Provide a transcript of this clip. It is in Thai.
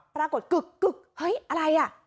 ประราบก่อนกึกเฮ้ยอะไรอ่ะ